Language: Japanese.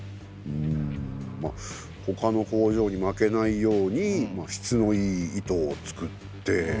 んまあほかの工場に負けないように質のいい糸を作って。